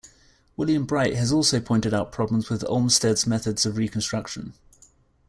William Bright has also pointed out problems with Olmsted's methods of reconstruction.